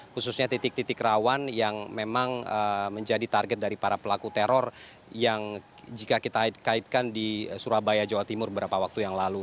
khususnya titik titik rawan yang memang menjadi target dari para pelaku teror yang jika kita kaitkan di surabaya jawa timur beberapa waktu yang lalu